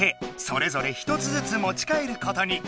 それぞれ１つずつもち帰ることに。